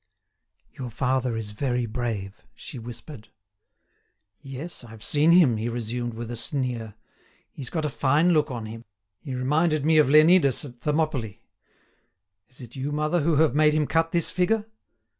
"Your father is very brave," she whispered. "Yes, I've seen him," he resumed with a sneer. "He's got a fine look on him! He reminded me of Leonidas at Thermopylae. Is it you, mother, who have made him cut this figure?"